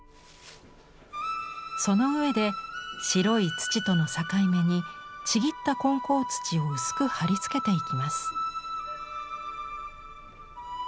その上で白い土との境目にちぎった混淆土を薄く貼り付けていきます。